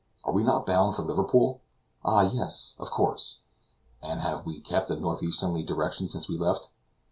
Are we not bound for Liverpool? Ah! yes! of course. And have we kept a northeasterly direction since we left?"